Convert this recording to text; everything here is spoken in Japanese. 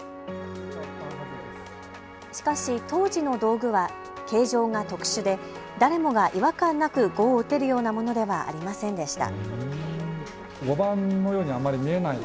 しかし当時の道具は形状が特殊で誰もが違和感なく碁を打てるようなものではありませんでした。